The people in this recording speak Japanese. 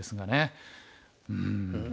うん。